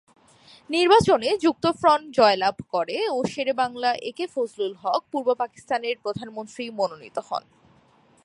নির্বাচনে যুক্তফ্রন্ট জয়লাভ করে ও শেরে বাংলা একে ফজলুল হক পূর্ব পাকিস্তানের প্রধানমন্ত্রী মনোনীত হন।